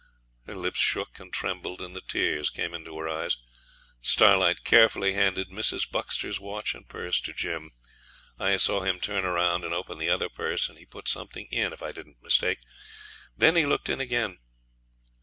Her lips shook and trembled and the tears came into her eyes. Starlight carefully handed Mrs. Buxter's watch and purse to Jim. I saw him turn round and open the other purse, and he put something in, if I didn't mistake. Then he looked in again.